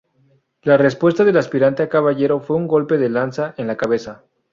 La respuesta del aspirante a caballero fue un golpe de lanza en la cabeza.